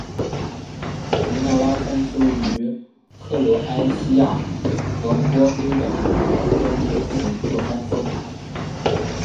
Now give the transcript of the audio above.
迪纳拉山是位于克罗埃西亚和波黑两国交界处的一座山峰。